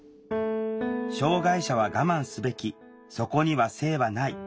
障害者は我慢すべきそこには性はない。